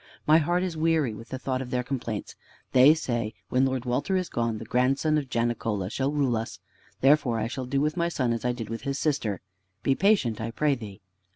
My heart is weary with the thought of their complaints. They say, 'When Lord Walter is gone, the grandson of Janicola shall rule us!' Therefore I shall do with my son as I did with his sister. Be patient, I pray thee."